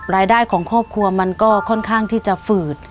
รายได้ของครอบครัวมันก็ค่อนข้างที่จะฝืด